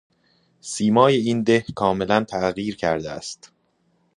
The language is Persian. سیمای این ده کاملاً تغییر کرده است.